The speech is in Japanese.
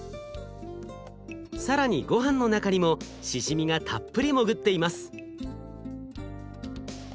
更にごはんの中にもしじみがたっぷり潜っています。